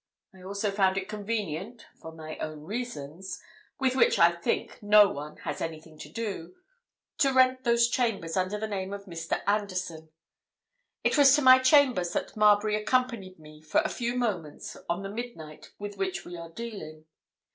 I also found it convenient, for my own reasons—with which, I think, no one has anything to do—to rent those chambers under the name of Mr. Anderson. It was to my chambers that Marbury accompanied me for a few moments on the midnight with which we are dealing.